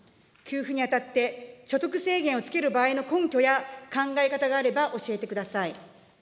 給付にあたって、所得制限をつける場合の根拠や考え方があれば教えてください。